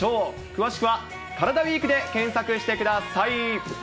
詳しくはカラダＷＥＥＫで検索してください。